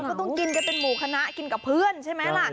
ก็ต้องกินกันเป็นหมูคณะกินกับเพื่อนใช่ไหมล่ะ